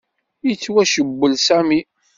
Yettwacewwel Sami.